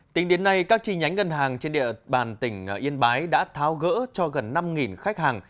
tính đến nay các chi nhánh ngân hàng trên địa bàn tỉnh yên bái đã tháo gỡ cho gần năm khách hàng